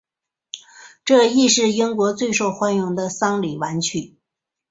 这亦是英国最受欢迎的丧礼挽曲。